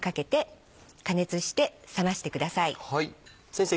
先生